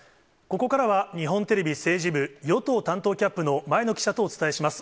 ここからは日本テレビ政治部与党担当キャップの前野記者とお伝えします。